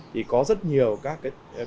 thì có rất nhiều các hình thức